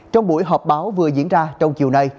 trong buổi họp báo vừa diễn ra trong chiều nay